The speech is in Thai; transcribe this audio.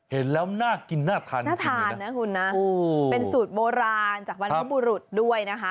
เห็นแล้วน่ากินน่าทานน่าทานนะคุณนะเป็นสูตรโบราณจากบรรพบุรุษด้วยนะคะ